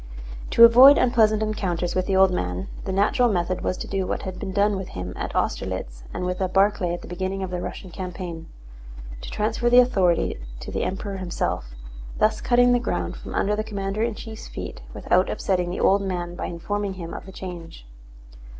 To avoid unpleasant encounters with the old man, the natural method was to do what had been done with him at Austerlitz and with Barclay at the beginning of the Russian campaign—to transfer the authority to the Emperor himself, thus cutting the ground from under the commander in chief's feet without upsetting the old man by informing him of the change.